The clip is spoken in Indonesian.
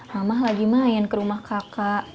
mama lagi main ke rumah kaka